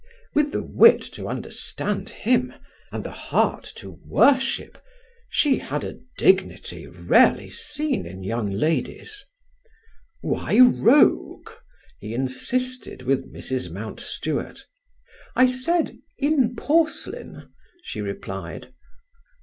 With the wit to understand him, and the heart to worship, she had a dignity rarely seen in young ladies. "Why rogue?" he insisted with Mrs. Mountstuart. "I said in porcelain," she replied.